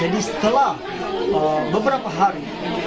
jadi setelah beberapa hari